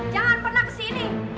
jangan pernah kesini